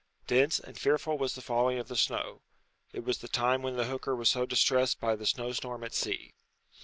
Dense and fearful was the falling of the snow. It was the time when the hooker was so distressed by the snow storm at sea.